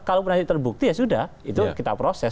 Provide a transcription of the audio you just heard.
kalau pun nanti terbukti ya sudah itu kita proses